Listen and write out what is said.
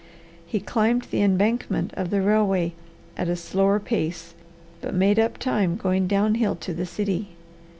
He climbed the embankment of the railway at a slower pace, but made up time going down hill to the city.